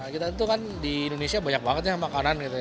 kita itu kan di indonesia banyak banget ya makanan gitu ya